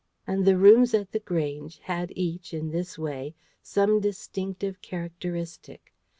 And the rooms at The Grange had each in this way some distinctive characteristic.